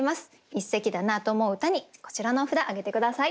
一席だなと思う歌にこちらの札挙げて下さい。